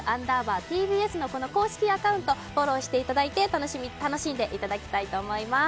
＿ｔｂｓのこの公式アカウント、フォローしていただいて、楽しんでいただきたいと思います。